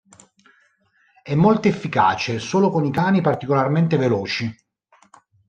È molto efficace solo con i cani particolarmente veloci.